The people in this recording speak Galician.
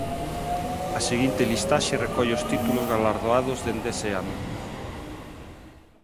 A seguinte listaxe recolle os títulos galardoados dende ese ano.